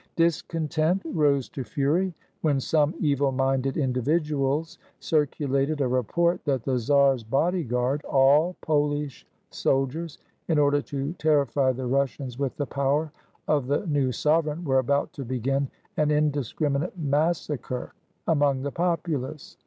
Discontent rose to fury, when some evil minded indi viduals circulated a report that the czar's bodyguard, all PoUsh soldiers, in order to terrify the Russians with the power of the new sovereign, were about to begin an indiscriminate massacre among the populace.